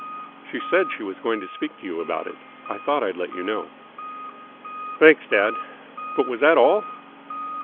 "She said she was going to speak to you about it. I thought I'd let you know." "Thanks, dad. But was that all?" "All."